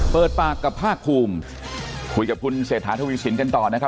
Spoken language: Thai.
เปิดปากกับภาคภูมิคุยกับคุณเศรษฐาทวีสินกันต่อนะครับ